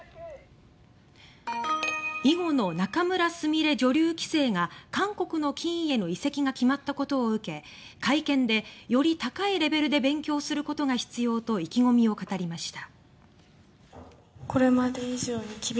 囲碁の仲邑菫女流棋聖が韓国の棋院への移籍が決まったことを受け会見で「より高いレベルで勉強することが必要」と意気込みを語りました。